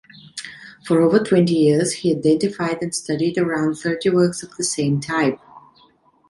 For over twenty years, he identified and studied around thirty works of the same type.